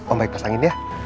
om baik pasangin ya